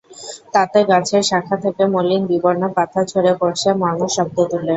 তাতে গাছের শাখা থেকে মলিন বিবর্ণ পাতা ঝরে পড়ছে মর্মর শব্দ তুলে।